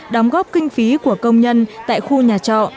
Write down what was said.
đóng góp kinh phí của công nhân tại khu nhà trọ